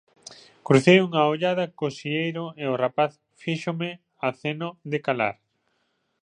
Crucei unha ollada co Sieiro e o rapaz fíxome aceno de calar.